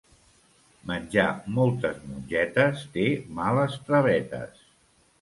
Menjar moltes mongetes té males travetes.